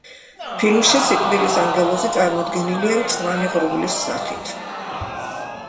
ფილმში სიკვდილის ანგელოზი წარმოდგენილია მწვანე ღრუბლის სახით.